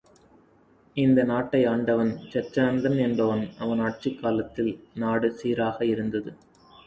இந்த நாட்டை ஆண்டவன் சச்சந்தன் என்பவன் அவன் ஆட்சிக் காலத்தில் நாடு சீராக இருந்தது.